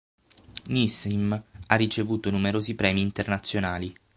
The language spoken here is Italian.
Nissim ha ricevuto numerosi premi internazionali.